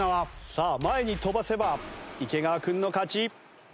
さあ前に飛ばせば池川君の勝ち。